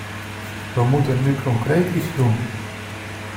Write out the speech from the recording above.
We moeten nu concreet iets doen.